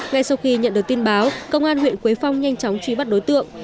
ngay sau khi nhận được tin báo công an huyện quế phong nhanh chóng truy bắt đối tượng